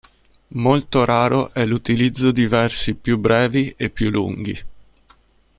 Molto raro è l'utilizzo di versi più brevi e più lunghi.